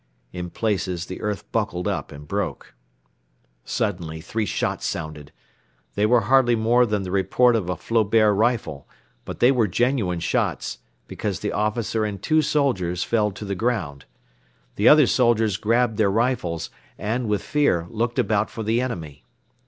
In places the earth buckled up and broke. Suddenly, three shots sounded. They were hardly more than the report of a Flobert rifle; but they were genuine shots, because the officer and two soldiers fell to the ground. The other soldiers grabbed their rifles and, with fear, looked about for the enemy.